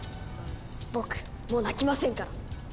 僕もう泣きませんから。